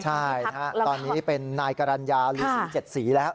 ใช่ตอนนี้เป็นนายการัญญาหรือสิ้นเจ็ดสีแล้ว